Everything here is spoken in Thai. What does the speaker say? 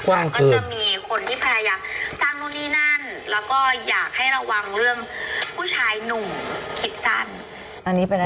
พูดฟ่าคือก็จะมีคนที่พยายามสร้างตรงนี้นั่นแล้วก็อยากให้ระวังเรื่องผู้ชายหนุ่มคิดสั้น